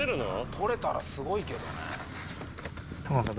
撮れたらすごいけどね。